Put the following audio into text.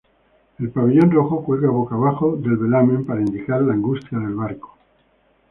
El pabellón rojo cuelga boca abajo del velamen para indicar la angustia del barco.